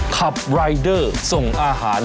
ขับรายเดอร์ส่งอาหาร